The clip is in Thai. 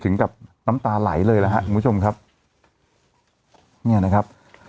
ถึงกับน้ำตาไหลเลยนะฮะคุณผู้ชมครับเนี่ยนะครับ